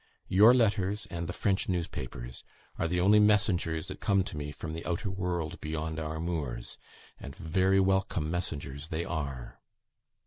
Your letters, and the French newspapers, are the only messengers that come to me from the outer world beyond our moors; and very welcome messengers they are."